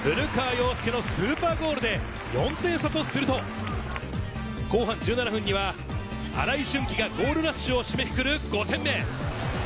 古川陽介のスーパーゴールで４点差とすると、後半１７分には荒井駿希がゴールラッシュを締めくくる５点目。